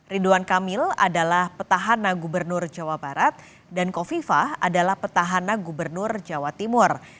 ridwan kamil adalah petahana gubernur jawa barat dan kofifah adalah petahana gubernur jawa timur